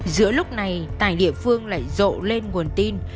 giữa lúc này tại địa phương lại rộ lên nguồn tin